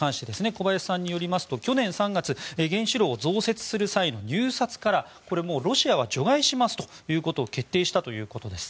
小林さんによりますと去年３月原子炉を増設する際の入札からロシアは除外しますということを決定したということです。